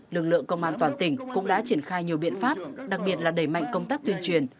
lực lượng công an toàn tỉnh cũng đã triển khai nhiều biện pháp đặc biệt là đẩy mạnh công tác tuyên truyền